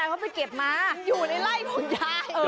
เขาไปเก็บมาอยู่ในไล่ของยาย